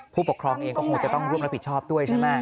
ผู้ปกครองเองก็คงจะต้องร่วมรับผิดชอบด้วยใช่ไหม